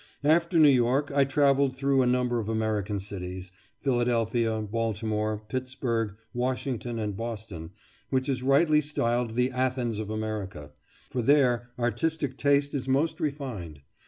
After New York I travelled through a number of American cities Philadelphia, Baltimore, Pittsburg, Washington, and Boston, which is rightly styled the Athens of America, for there artistic taste is most refined.